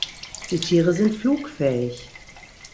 Die Tiere sind flugfähig.